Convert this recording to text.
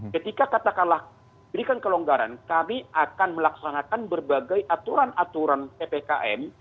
ketika katakanlah berikan kelonggaran kami akan melaksanakan berbagai aturan aturan ppkm